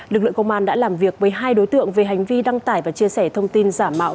lực lượng công an đã làm việc với hai đối tượng về hành vi đăng tải và chia sẻ thông tin giả mạo